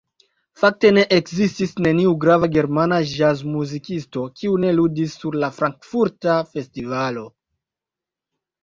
Fakte ne ekzistis neniu grava germana ĵazmuzikisto, kiu ne ludis sur la frankfurta festivalo.